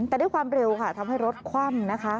แต่ด้วยความเร็วค่ะทำให้รถคว่ำนะคะ